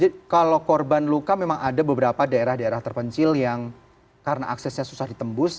kalau korban luka memang ada beberapa daerah daerah terpencil yang karena aksesnya susah ditembus